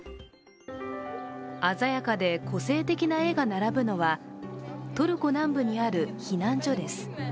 鮮やかで個性的な絵が並ぶのはトルコ南部にある避難所です。